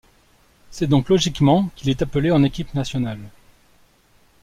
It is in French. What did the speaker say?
C'est donc logiquement qu'il est appelé en équipe nationale.